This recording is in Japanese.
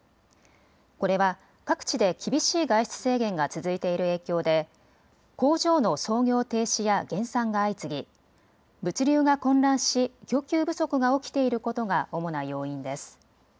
これは各地で厳しい外出制限が続いている影響で工場の操業停止や減産が相次ぎ物流が混乱し、供給不足が起きていることが主な要因です。